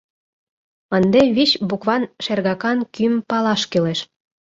Ынде вич букван шергакан кӱм палаш кӱлеш.